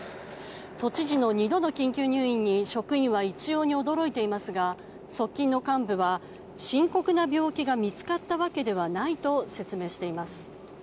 都知事の２度の緊急入院に職員は驚いていますが側近の幹部は深刻な病気が見つかったわけではないと説明しています。